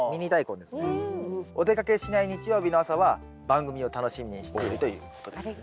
お出かけしない日曜日の朝は番組を楽しみにしているということですね。